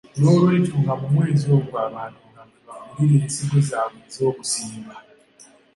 Noolwekyo nga mu mwezi ogwo abantu nga mwe bagulira ensigo zaabwe ez'okusimba.